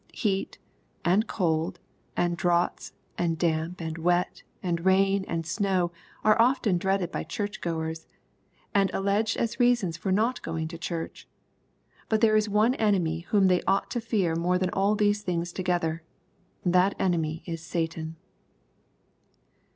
Heat, and cold, and draughts, and damp, and wet, and rain, and snow, are often dreaded by Church goers, and alleged as reasons for not going to Church. But there is one enemy whom they ought to fear more than all these things together. That enemy is Satan.